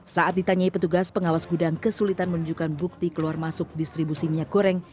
saat ditanyai petugas pengawas gudang kesulitan menunjukkan bukti keluar masuk distribusi minyak goreng